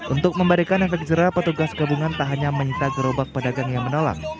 untuk memberikan efek jerah petugas gabungan tak hanya menyita gerobak pedagang yang menolak